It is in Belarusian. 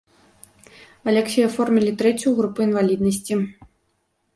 Аляксею аформілі трэцюю групу інваліднасці.